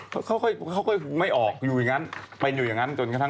กลัวว่าผมจะต้องไปพูดให้ปากคำกับตำรวจยังไง